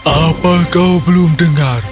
apa kau belum dengar